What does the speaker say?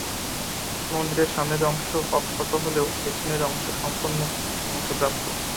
মন্দিরের সামনের অংশ অক্ষত হলেও পেছনের অংশ সম্পূর্ণ ধ্বংসপ্রাপ্ত।